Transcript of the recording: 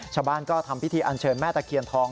ชาวบ้านก็ทำพิธีอันเชิญแม่ตะเคียนทอง